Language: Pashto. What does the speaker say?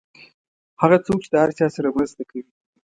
هغه څوک چې د هر چا سره مرسته کوي.